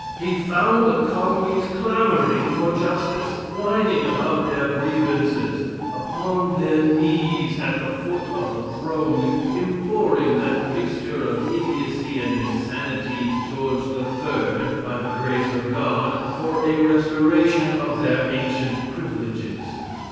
He found the colonies clamoring for justice; whining about their grievances; upon their knees at the foot of the throne, imploring that mixture of idiocy and insanity, George III., by the grace of God, for a restoration of their ancient privileges.